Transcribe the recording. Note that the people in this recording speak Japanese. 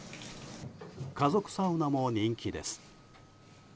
家族サウナも人気です。